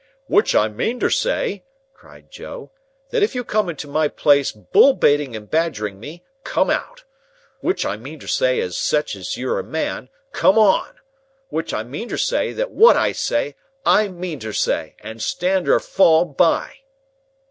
"Which I meantersay," cried Joe, "that if you come into my place bull baiting and badgering me, come out! Which I meantersay as sech if you're a man, come on! Which I meantersay that what I say, I meantersay and stand or fall by!"